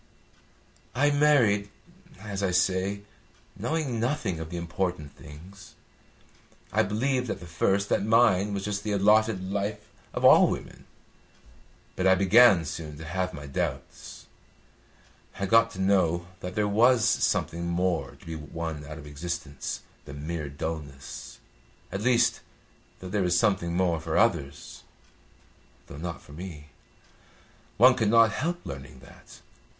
"I married, as I say, knowing nothing of the important things. I believed at the first that mine was just the allotted life of all women. But I began soon to have my doubts. I got to know that there was something more to be won out of existence than mere dulness; at least, that there was something more for others, though not for me. One could not help learning that.